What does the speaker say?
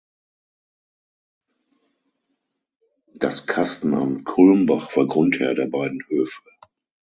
Das Kastenamt Kulmbach war Grundherr der beiden Höfe.